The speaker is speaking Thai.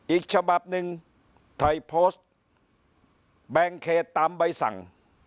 อีกฉบับหนึ่งไทยโพสต์แบ่งเขตตามใบสั่ง